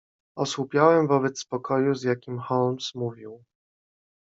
"Osłupiałem wobec spokoju, z jakim Holmes mówił."